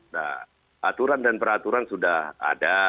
nah aturan dan peraturan sudah ada